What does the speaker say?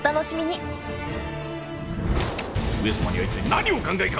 上様には一体何をお考えか。